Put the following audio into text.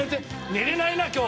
寝れないな今日。